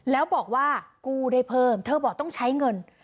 แล้วบอกว่ากู้ได้เพิ่มเธอบอกต้องใช้เงิน